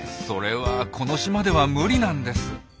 それはこの島では無理なんです。